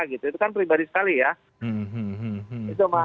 itu kan pribadi sekali ya